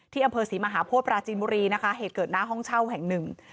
อำเภอศรีมหาโพธิปราจีนบุรีนะคะเหตุเกิดหน้าห้องเช่าแห่งหนึ่ง